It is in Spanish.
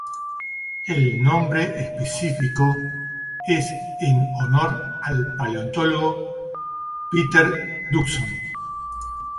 El nombre específico es en honor al paleontólogo Peter Dodson.